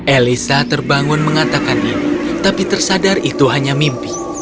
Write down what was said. elisa terbangun mengatakan ini tapi tersadar itu hanya mimpi